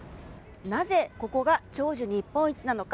なぜ、ここが長寿日本一なのか。